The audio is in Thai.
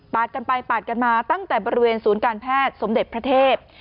กันไปปาดกันมาตั้งแต่บริเวณศูนย์การแพทย์สมเด็จพระเทพ